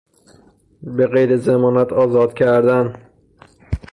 به قید ضمانت آزاد کردن